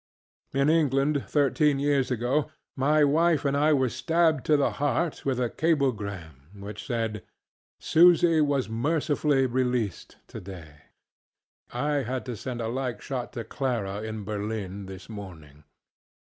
In England, thirteen years ago, my wife and I were stabbed to the heart with a cablegram which said, ŌĆ£Susy was mercifully released today. ŌĆØ I had to send a like shot to Clara, in Berlin, this morning.